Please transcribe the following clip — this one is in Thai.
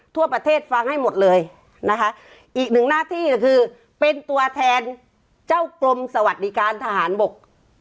ทั่วประเทศฟังให้หมดเลยนะคะอีกหนึ่งหน้าที่ก็คือเป็นตัวแทนเจ้ากรมสวัสดิการทหารบก